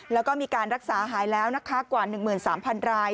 แล้วก็มีการรักษาหายแล้วนะคะกว่า๑๓๐๐ราย